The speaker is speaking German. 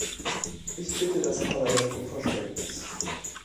Ich bitte das Parlament um Verständnis.